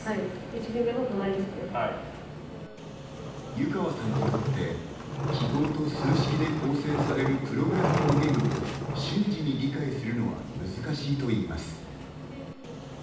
湯川さんにとって記号と数式で構成されるプログラミング言語を、瞬時に理解するのは難しいといいます。